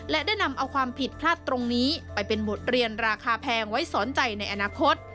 และได้นำเอาความผิดพลาดตรงนี้ไปเป็นบทเรียนราคาแพงไว้สอนใจในอนาคต